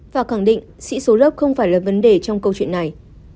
và khẳng định sĩ số lớp không phải là vấn đề trong câu chuyện này